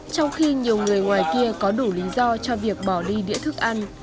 trong khi nhiều người ngoài kia có đủ lý do cho việc bỏ đi đĩa thức ăn